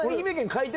書いて。